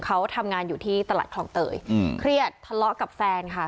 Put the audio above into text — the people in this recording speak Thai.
เขาทำงานอยู่ที่ตลาดคลองเตยอืมเครียดทะเลาะกับแฟนค่ะ